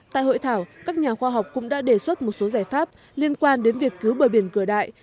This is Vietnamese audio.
tại hội thảo các nhà khoa học cũng đã đề xuất một số giải pháp liên quan đến việc cứu bờ biển cửa đại